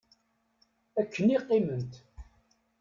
Akken i qiment.